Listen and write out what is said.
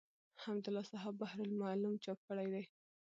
حمدالله صحاف بحر الملوم چاپ کړی دﺉ.